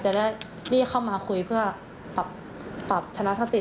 จะได้เรียกเข้ามาคุยเพื่อปรับทนสติ